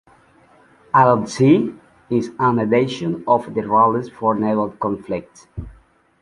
"All at Sea" is an adaptation of the rules for naval conflicts.